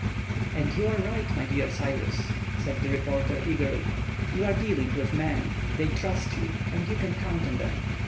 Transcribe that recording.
"And you are right, my dear Cyrus," said the reporter, eagerly. "You are dealing with men. They trust you, and you can count on them.